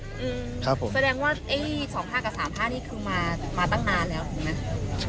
แสดงว่า๒ภาพกับ๓ภาพนี่คือมาตั้งนานแล้ว